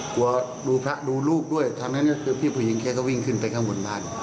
กลัวดูพระดูลูกด้วยทั้งนั้นก็คือพี่ผู้หญิงแกก็วิ่งขึ้นไปข้างบนบ้าน